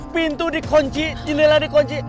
pintu dikunci jelela dikunci